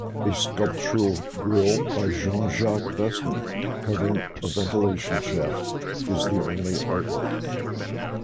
A sculptural grille by Jean-Jacques Besner covering a ventilation shaft is the only artwork.